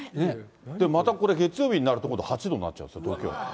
またこれ月曜日になると、今度８度になっちゃうんですよ、東京。